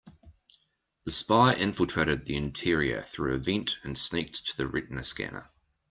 The spy infiltrated the interior through a vent and sneaked to the retina scanner.